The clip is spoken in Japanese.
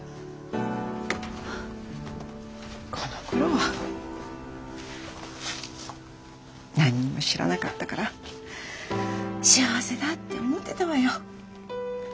このころは何にも知らなかったから幸せだって思ってたわよ。